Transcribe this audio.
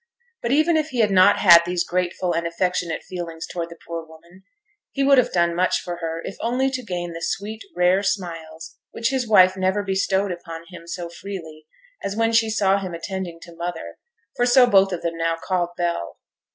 But even if he had not had these grateful and affectionate feelings towards the poor woman, he would have done much for her if only to gain the sweet, rare smiles which his wife never bestowed upon him so freely as when she saw him attending to 'mother,' for so both of them now called Bell.